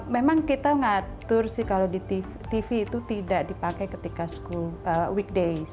memang kita ngatur sih kalau di tv itu tidak dipakai ketika school weekdays